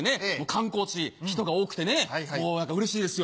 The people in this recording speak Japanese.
観光地人が多くてねうれしいですよ。